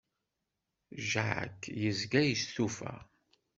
Jacques yezga yestufa.